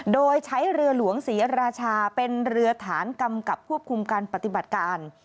โดยใช้เรือหลวงศรีราชาเป็นเรือฐานกำกับควบคุมการปฏิบัติการ